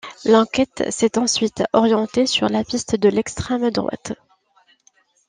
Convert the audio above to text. L'enquête s'est ensuite orientée sur la piste de l'extrême droite.